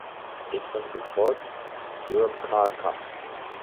It was the fourth Europcar Cup.